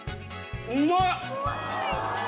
うまい！